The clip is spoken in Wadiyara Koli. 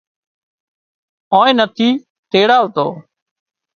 آنئين نٿِي تيڙاوتو